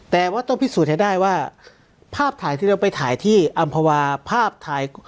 แต่ว่าต้องพิสูจน์ให้ได้ว่าภาพถ่ายที่เราไปถ่ายที่อำภาวาภาพถ่าย